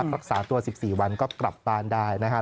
รักษาตัว๑๔วันก็กลับบ้านได้นะครับ